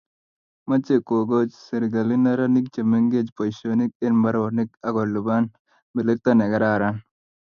Mochei kokoch serkali neranik che mengech boisionik eng mbaronik akolipan melekto ne kararan